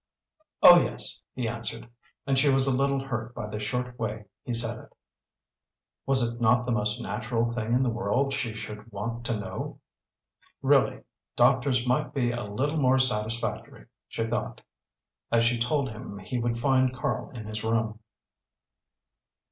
"Oh, yes," he answered, and she was a little hurt by the short way he said it. Was it not the most natural thing in the world she should want to know? Really, doctors might be a little more satisfactory, she thought, as she told him he would find Karl in his room.